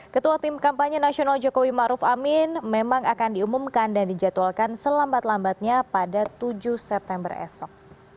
ketua tim kampanye nasional jokowi maruf amin memang akan diumumkan dan dijadwalkan selambat lambatnya pada tujuh september esok